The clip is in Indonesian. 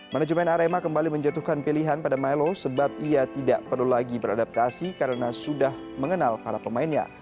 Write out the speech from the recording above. manajemen arema kembali menjatuhkan pilihan pada milo sebab ia tidak perlu lagi beradaptasi karena sudah mengenal para pemainnya